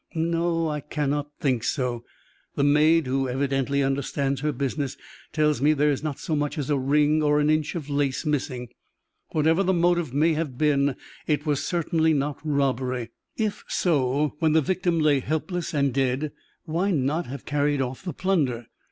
"No: I cannot think so. The maid, who evidently understands her business, tells me that there is not so much as a ring, or an inch of lace missing; whatever the motive may have been, it was certainly not robbery; if so, when the victim lay helpless and dead, why not have carried off the plunder?